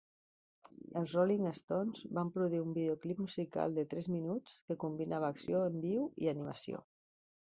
Els Rolling Stones van produir un vídeo clip musical de tres minuts que combinava acció en viu i animació.